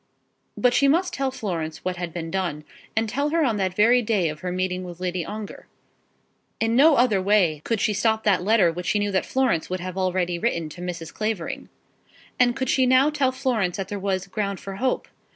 But she must tell Florence what had been done, and tell her on that very day of her meeting with Lady Ongar. In no other way could she stop that letter which she knew that Florence would have already written to Mrs. Clavering. And could she now tell Florence that there was ground for hope?